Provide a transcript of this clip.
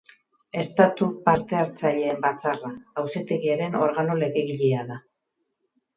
Estatu Parte-Hartzaileen Batzarra, Auzitegiaren organo legegilea da.